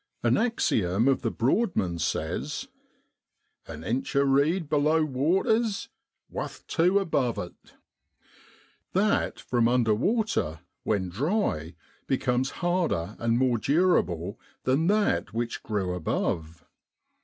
An axiom of the Broadman says, l An inch o' reed below water's wuth tew above it.' That from under water, when dry, becomes harder and more durable than that which grew above.